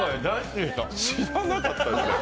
知らなかったですね。